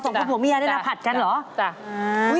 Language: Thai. ส่งเข้าผัวเมียได้ผัดกันเหรอ